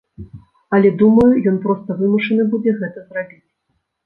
Але думаю, ён проста вымушаны будзе гэта зрабіць.